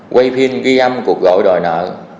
ba quay phim ghi âm cuộc gọi đòi nợ